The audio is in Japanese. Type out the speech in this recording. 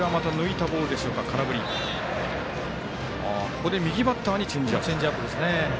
ここで右バッターにチェンジアップ。